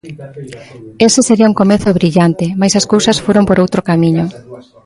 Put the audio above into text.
Ese sería un comezo brillante, mais as cousas foron por outro camiño.